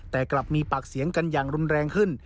แต่กลับมีปากเสียงกันอย่างรุนแรงขึ้น